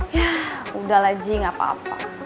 ya udahlah ji nggak apa apa